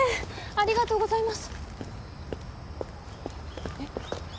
ありがとうございますえっ？